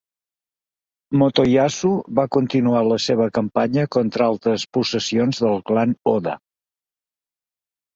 Motoyasu va continuar la seva campanya contra altres possessions del clan Oda.